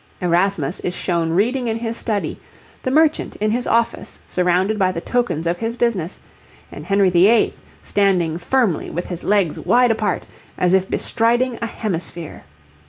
Erasmus is shown reading in his study, the merchant in his office surrounded by the tokens of his business, and Henry VIII. standing firmly with his legs wide apart as if bestriding a hemisphere.